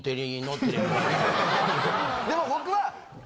でも僕は。